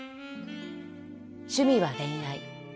趣味は恋愛。